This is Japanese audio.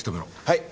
はい！